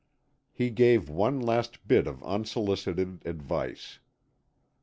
He gave one last bit of unsolicited advice.